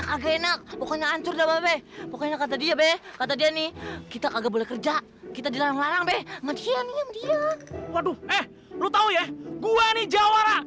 sampai jumpa di video selanjutnya